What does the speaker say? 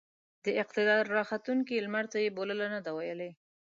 د اقتدار راختونکي لمرته يې بولـله نه ده ويلې.